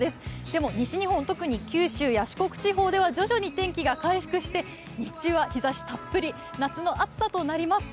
でも西日本、特に九州や四国地方では徐々に天気が回復して日中は日ざしたっぷり夏の暑さとなります。